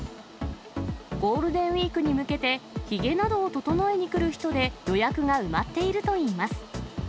ゴールデンウィークに向けて、ひげなどを整えに来る人で、予約が埋まっているといいます。